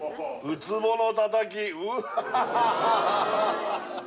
ウツボのたたきうわあ